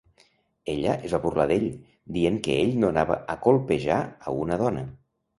Ella es va burlar d'ell, dient que ell no anava a colpejar a una dona.